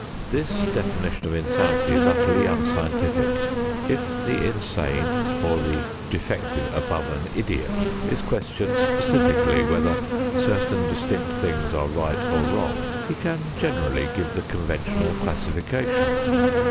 This definition of insanity is utterly unscientific. If the insane or the defective above an idiot is questioned specifically whether certain distinct things are right or wrong, he can generally give the conventional classification.